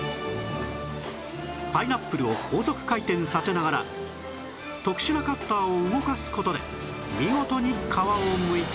パイナップルを高速回転させながら特殊なカッターを動かす事で見事に皮をむいている